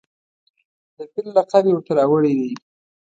د پیر لقب یې ورته راوړی دی.